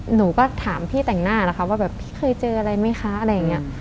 หนูก็ถามพี่แต่งหน้านะคะว่าแบบพี่เคยเจออะไรไหมคะอะไรอย่างนี้